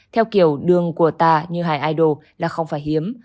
theo kiểu đường của ta như hải idol là không phải hiếm